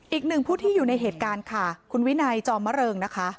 อีกหนึ่งผู้ที่อยู่ในเหตุการณ์ค่ะคุณวินัยจอมมะเริงนะคะ